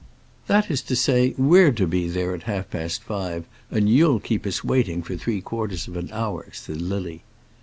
"That is to say, we're to be there at half past five, and you'll keep us waiting for three quarters of an hour," said Lily.